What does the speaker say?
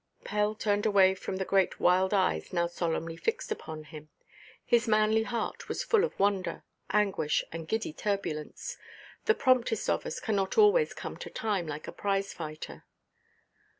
Pell turned away from the great wild eyes now solemnly fixed upon him. His manly heart was full of wonder, anguish, and giddy turbulence. The promptest of us cannot always "come to time," like a prizefighter.